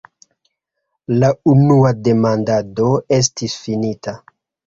La unua demandado estis finita.